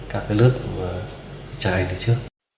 cảm thấy nước trái như trước